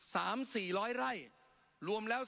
สามสี่ร้อยไร่รวมแล้ว